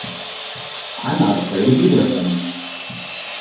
I'm not afraid of either of them.